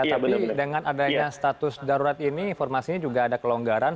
tapi dengan adanya status darurat ini informasinya juga ada kelonggaran